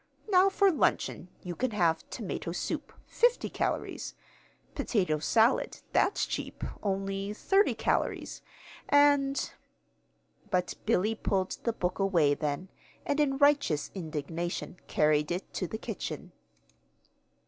Now for luncheon you can have tomato soup, 50 calories; potato salad that's cheap, only 30 calories, and " But Billy pulled the book away then, and in righteous indignation carried it to the kitchen.